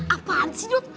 apaan sih dud